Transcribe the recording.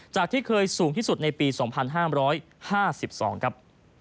ที่เคยสูงที่สุดในปี๒๕๕๒ครับ